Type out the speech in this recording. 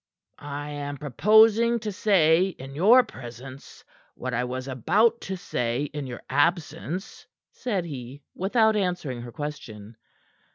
"I am proposing to say in your presence what I was about to say in your absence," said he, without answering her question.